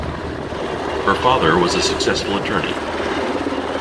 Her father was a successful attorney.